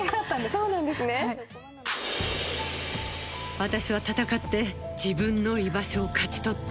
私は闘って自分の居場所を勝ち取った。